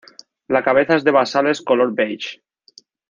La cabeza es de basales color beige.